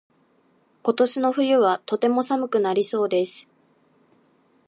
今年の冬はとても寒くなりそうです。